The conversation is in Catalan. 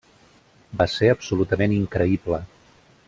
Va ser absolutament increïble.